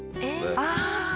ああ！